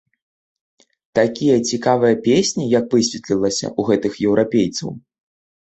Такія цікавыя песні, як высветлілася, у гэтых еўрапейцаў.